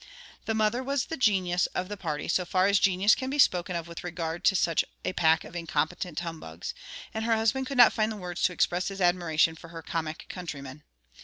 The mother was the genius of the party, so far as genius can be spoken of with regard to such a pack of incompetent humbugs; and her husband could not find words to express his admiration for her comic countryman.